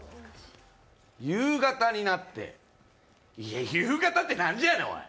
夕方になって、いやいや、夕方って何時やねん、おい。